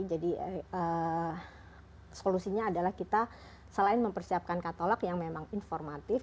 jadi solusinya adalah kita selain mempersiapkan katalog yang memang informatif